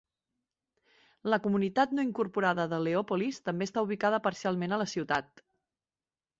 La comunitat no incorporada de Leopolis també està ubicada parcialment a la ciutat.